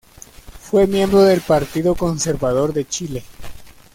Fue miembro del Partido Conservador de Chile.